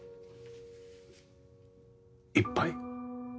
いっぱい？